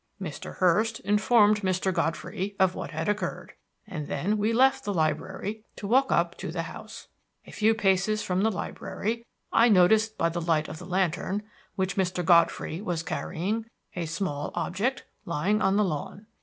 Mr. Hurst informed Mr. Godfrey of what had occurred, and then we left the library to walk up to the house. A few paces from the library I noticed by the light of the lantern, which Mr. Godfrey was carrying, a small object lying on the lawn.